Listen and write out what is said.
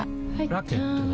ラケットは？